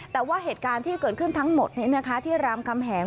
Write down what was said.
แต่ว่าเหตุการณ์ที่เกิดขึ้นทั้งหมดที่รามคำแหง